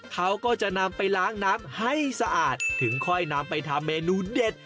เขาก็จะนำไปล้างน้ำให้สะอาดถึงค่อยนำไปทำเมนูเด็ด